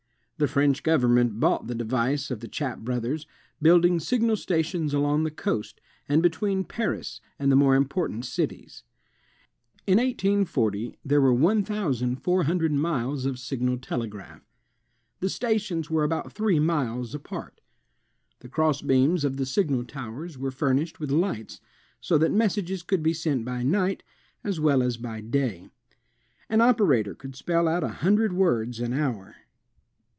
The French government bought the device of the Chappe brothers, building signal stations along the coast, and between Paris and the more important cities. In 1840 there were 1400 miles of signal telegraph. The stations were about three miles apart. The cross beams of the signal towers were furnished with lights, so that messages could be sent by night as well as by day. An operator could spell out a hun dred words an hour.